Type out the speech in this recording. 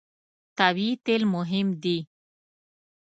طبیعي تېل مهم دي.